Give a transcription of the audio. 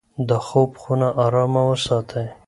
د خوب خونه ارامه وساتئ.